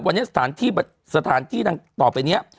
วันนี้สถานที่ต่อไปเนี่ย